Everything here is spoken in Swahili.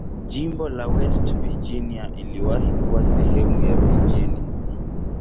Jimbo la West Virginia iliwahi kuwa sehemu ya Virginia.